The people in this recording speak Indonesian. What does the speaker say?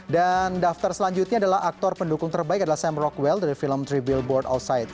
dan daftar selanjutnya adalah aktor pendukung terbaik adalah sam rockwell dari film three billboards outside